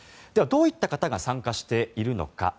ではどういった方が参加しているのか。